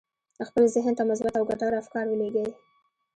خپل ذهن ته مثبت او ګټور افکار ولېږئ.